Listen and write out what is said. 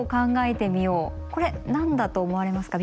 これ何だと思われますか？